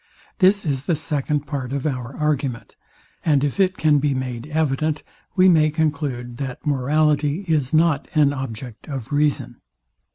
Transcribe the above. This is the second part of our argument; and if it can be made evident, we may conclude, that morality is not an object of reason.